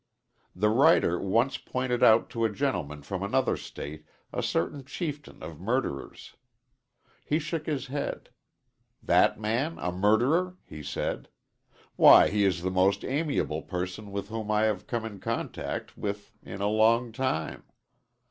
The writer once pointed out to a gentleman from another state a certain chieftain of murderers. He shook his head. "That man a murderer?" he said. "Why, he is the most amiable person with whom I have come in contact with in a long time.